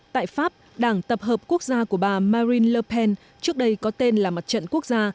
tại pháp đảng tập hợp quốc gia của bà marine le pen trước đây có tên là mặt trận quốc gia